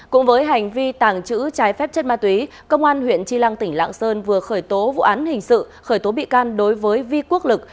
cũng với hành vi tàng trữ trái phép chất ma túy công an huyện tri lăng tỉnh lạng sơn vừa khởi tố vụ án hình sự khởi tố bị can đối với vi quốc lực